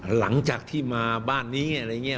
หลังจากที่มาบ้านนี้อะไรอย่างนี้